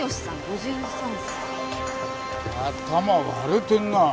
頭割れてるな。